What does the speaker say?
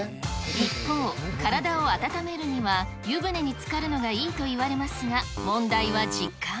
一方、体を温めるには湯船につかるのがいいといわれますが、問題は時間。